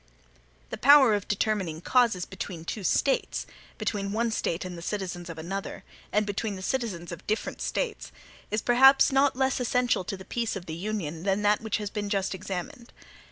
The power of determining causes between two States, between one State and the citizens of another, and between the citizens of different States, is perhaps not less essential to the peace of the Union than that which has been just examined.